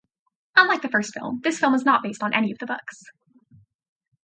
Unlike the first film, this film is not based on any of the books.